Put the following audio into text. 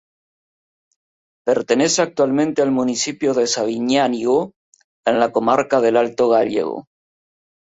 Pertenece actualmente al municipio de Sabiñánigo, en la comarca del Alto Gállego.